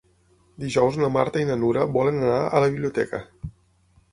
Dijous na Marta i na Nura volen anar a la biblioteca.